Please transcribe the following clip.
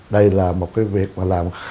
đây là một cái việc mà làm